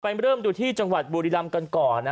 เริ่มดูที่จังหวัดบุรีรำกันก่อน